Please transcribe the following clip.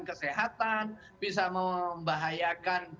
kesehatan bisa membahayakan